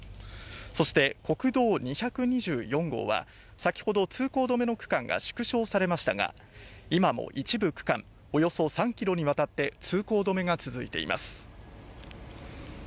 そして国道２２４号は、先ほど通行止めの区間が縮小されましたが今も一部区間、およそ３ｋｍにわたって通行止めが続いています。